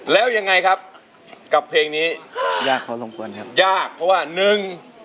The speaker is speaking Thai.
แล้วยังไงครับกับเพลงนี้ยากพอสมควรครับยากเพราะว่าหนึ่ง